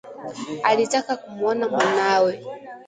Alitaka kumuona mwanawe